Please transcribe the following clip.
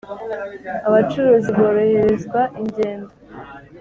abucuruzi boroherezwa ingendo